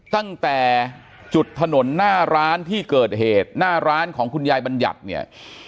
ตั้งแต่จุดถนนหน้าร้านที่เกิดเหตุหน้าร้านของคุณยายบัญญัติเนี่ย